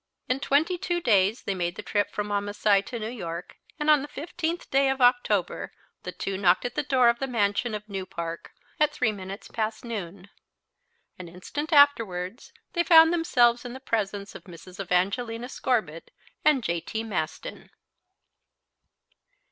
In twenty two days they made the trip from Wamasai to New York, and on the 15th day of October the two knocked at the door of the mansion of New Park, at three minutes past noon. An instant afterwards they found themselves in the presence of Mrs. Evangelina Scorbitt and J. T. Maston.